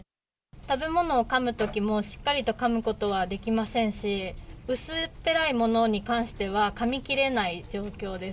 食べ物をかむときも、しっかりとかむことはできませんし、薄っぺらいものをかむときは、かみ切れない状況です。